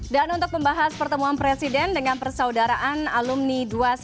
dan untuk membahas pertemuan presiden dengan persaudaraan alumni dua ratus dua belas